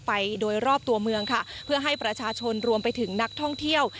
ไปโดยรอบตัวเมืองค่ะเพื่อให้ประชาชนรวมไปถึงนักท่องเที่ยว